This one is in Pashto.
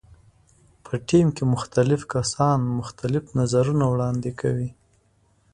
په ټیم کې مختلف کسان مختلف نظرونه وړاندې کوي.